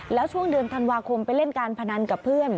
แล้วช่วงเดือนธันวาคมไปเล่นการพนันกับเพื่อน